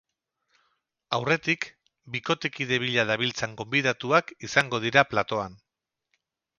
Aurretik, bikotekide bila dabiltzan gonbidatuak izango dira platoan.